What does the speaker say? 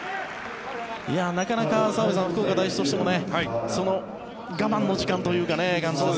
なかなか澤部さん福岡第一としても我慢の時間というかね。